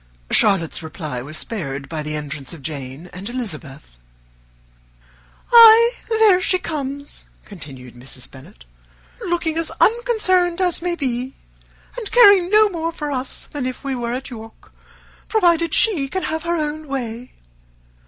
Charlotte's reply was spared by the entrance of Jane and Elizabeth. "Ay, there she comes," continued Mrs. Bennet, "looking as unconcerned as may be, and caring no more for us than if we were at York, provided she can have her own way.